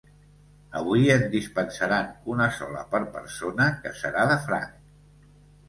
Avui en dispensaran una sola per persona, que serà de franc.